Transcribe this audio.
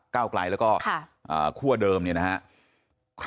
เก้าไกลแล้วก็คั่วเดิมเนี่ยนะครับ